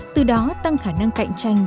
từ đó tăng khả năng cạnh tranh